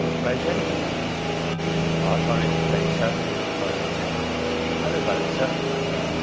" Gravesend ?"" Pass on, if you please, sir," replies the attendant " other boat, sir."